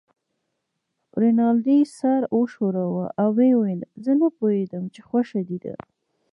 رینالډي سر و ښوراوه او ویې ویل: زه نه پوهېدم چې خوښه دې ده.